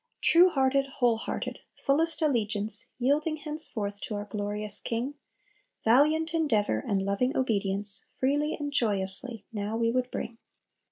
"True hearted, whole hearted! Fullest allegiance Yielding henceforth to our glorious King, Valiant endeavor and loving obedience, Freely and joyously now we would bring."